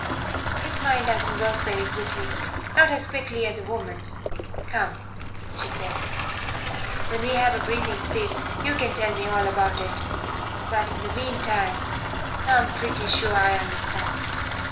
His mind doesn't work very quickly, not as quickly as a woman's. Come," she said. "When we have a breathing space you can tell me all about it. But in the meantime I'm pretty sure I understand."